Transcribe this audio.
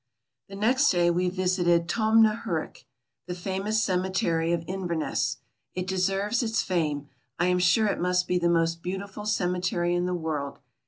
The next day we visited Tomnahurich, the famous cemetery of Inverness. It deserves its fame; I am sure it must be the most beautiful cemetery in the world.